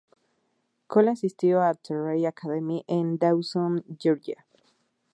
Cole asistió a Terrell Academy en Dawson, Georgia.